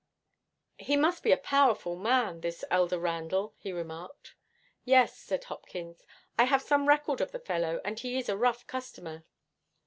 'He must be a powerful man, this elder Randall,' he remarked. 'Yes,' said Hopkins. 'I have some record of the fellow, and he is a rough customer.'